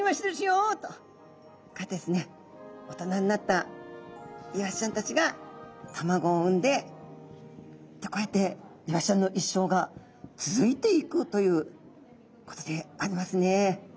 こうやってですね大人になったイワシちゃんたちが卵を産んでこうやってイワシちゃんの一生が続いていくということでありますね。